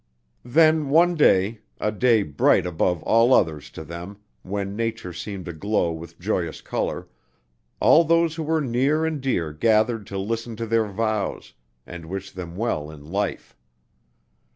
Then one day a day bright above all others to them, when nature seemed aglow with joyous color all those who were near and dear gathered to listen to their vows, and wish them well in life.